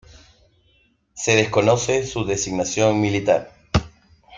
Se desconoce su designación militar.